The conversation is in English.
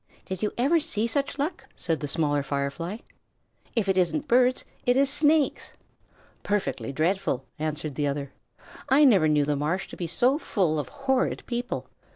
"Did you ever see such luck?" said the Smaller Firefly. "If it isn't birds it is snakes." "Perfectly dreadful!" answered the other. "I never knew the marsh to be so full of horrid people.